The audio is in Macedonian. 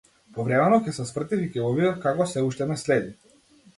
Повремено ќе се свртев и ќе го видев како сѐ уште ме следи.